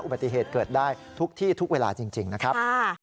ปฏิเหตุเกิดได้ทุกที่ทุกเวลาจริงนะครับ